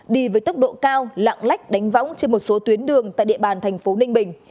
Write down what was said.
đi với tốc độ cao lạng lách đánh võng trên một số tuyến đường tại địa bàn thành phố ninh bình